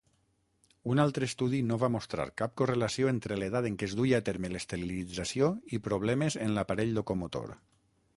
Un altre estudi no va mostrar cap correlació entre l'edat en què es duia a terme l'esterilització i problemes en l'aparell locomotor.